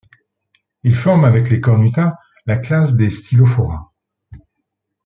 Ils forment avec les Cornuta la classe des Stylophora.